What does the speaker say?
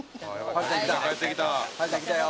はるちゃん来たよ」